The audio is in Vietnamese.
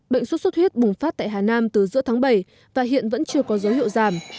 bệnh xuất xuất huyết bùng phát tại hà nam từ giữa tháng bảy và hiện vẫn chưa có dấu hiệu giảm